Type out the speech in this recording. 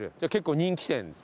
人気店です。